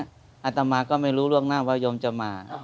อาตมาก็ไม่รู้ล่วงหน้าว่ายมจะมา